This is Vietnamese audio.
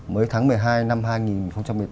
mới tháng một mươi hai năm hai nghìn một mươi tám